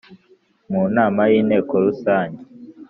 mu nama yinteko Rusange